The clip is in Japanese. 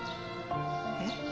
えっ？